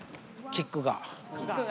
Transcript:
キックが。